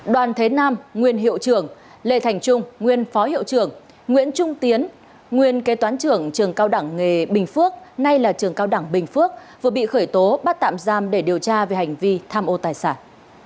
đoàn thế nam nguyên hiệu trưởng lê thành trung nguyên phó hiệu trưởng nguyễn trung tiến nguyên kế toán trưởng cao đẳng nghề bình phước nay là trường cao đẳng bình phước vừa bị khởi tố bắt tạm giam để điều tra về hành vi tham ô tài sản